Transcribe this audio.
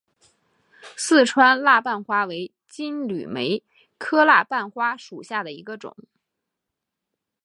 四川蜡瓣花为金缕梅科蜡瓣花属下的一个种。